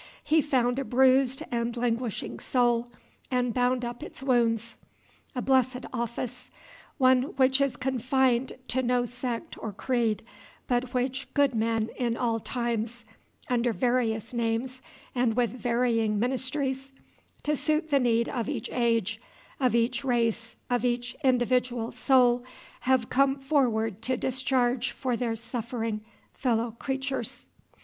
He found a bruised and languishing soul, and bound up its wounds. A blessed office, one which is confined to no sect or creed, but which good men in all times, under various names and with varying ministries, to suit the need of each age, of each race, of each individual soul, have come forward to discharge for their suffering fellow creatures.